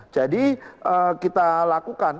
jadi kita lakukan